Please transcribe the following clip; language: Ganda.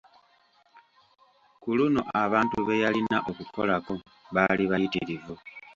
Ku luno abantu be yalina okukolako, baali bayitirivu.